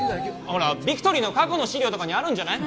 ほらビクトリーの過去の資料とかにあるんじゃない？